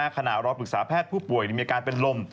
ขณะรอปรึกษาแพทย์ผู้ป่วยมีอาการเป็นลม